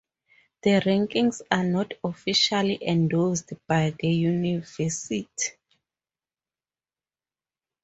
The rankings are not officially endorsed by the University.